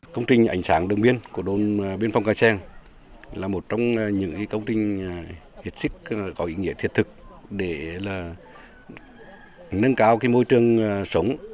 công trình ảnh sáng đường biên của đồn biên phòng cà seng là một trong những công trình hết sức có ý nghĩa thiết thực để nâng cao môi trường sống